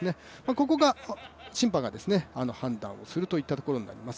ここが審判が判断をするといったところになります。